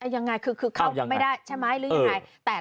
ยังไงคือเข้าไม่ได้ใช่ไหมหรือยังไง